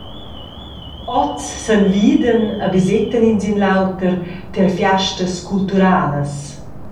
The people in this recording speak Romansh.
Oz s’envidan e visetan ins in l’auter tier fiastas culturalas.